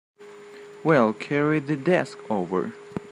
We'll carry the desk over.